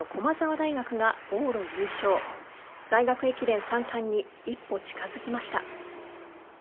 大学駅伝３冠に一歩、近づきました。